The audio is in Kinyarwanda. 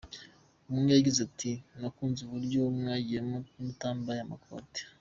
Umwe yagize ati “Nakunze uburyo mwagiye mutambaye amakote.